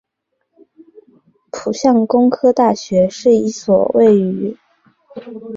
浦项工科大学是一所位于韩国庆尚北道浦项市的私立研究型综合大学。